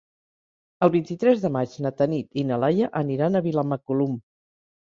El vint-i-tres de maig na Tanit i na Laia aniran a Vilamacolum.